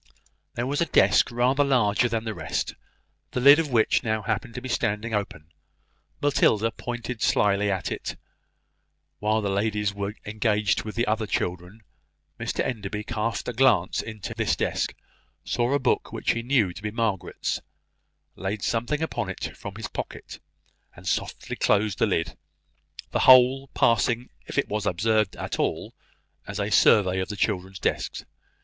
There was a desk rather larger than the rest, the lid of which now happened to be standing open. Matilda slyly pointed to it. While the ladies were engaged with the other children, Mr Enderby cast a glance into this desk, saw a book which he knew to be Margaret's, laid something upon it from his pocket, and softly closed the lid; the whole passing, if it was observed at all, as a survey of the children's desks.